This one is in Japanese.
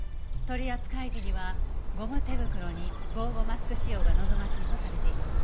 取り扱い時にはゴム手袋に防護マスク使用が望ましいとされています。